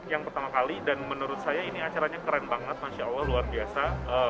yang pertama kali dan menurut saya ini acaranya keren banget masya allah luar biasa